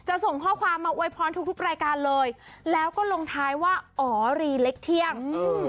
ส่งข้อความมาอวยพรทุกทุกรายการเลยแล้วก็ลงท้ายว่าอ๋อรีเล็กเที่ยงอืม